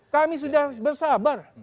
kami sudah bersabar